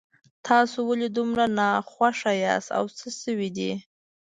تاسو ولې دومره ناخوښه یاست او څه شوي دي